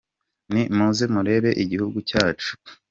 Ni muze murebe igihugu cyacu.